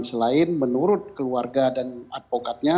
selain menurut keluarga dan advokatnya